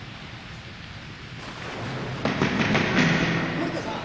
森田さん！